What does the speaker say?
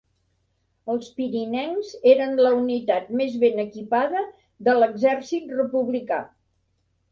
Els pirinencs eren la unitat més ben equipada de l'exèrcit republicà.